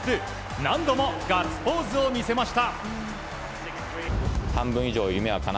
何度もガッツポーズを見せました。